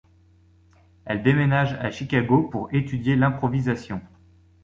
Elle déménage à Chicago pour étudier l'improvisation.